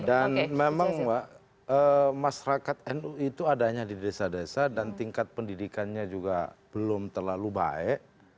dan memang masyarakat nu itu adanya di desa desa dan tingkat pendidikannya juga belum terlalu baik